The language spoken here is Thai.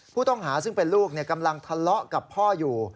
ผู้ต้องหาซึ่งเป็นลูกกำลังทะเลาะกับพ่ออยู่